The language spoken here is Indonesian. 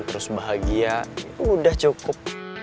terus bahagia udah cukup